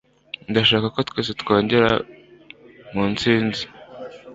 Ndashaka ko twese twongera munsi yinzu.